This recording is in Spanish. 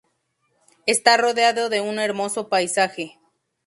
Está rodeado de un hermoso paisaje.